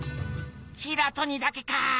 キラトにだけか。